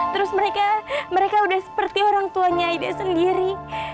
terus mereka udah seperti orang tuanya ide sendiri